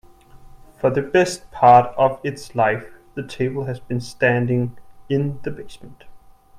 For the best part of its life, the table has been standing in the basement.